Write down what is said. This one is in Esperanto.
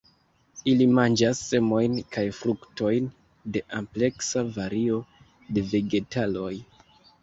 Ili manĝas semojn kaj fruktojn de ampleksa vario de vegetaloj.